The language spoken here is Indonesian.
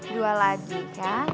dua lagi kan